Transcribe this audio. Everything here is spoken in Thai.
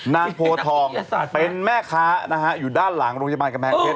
นางโพทองเป็นแม่ค้านะฮะอยู่ด้านหลังโรงพยาบาลกำแพงเพชร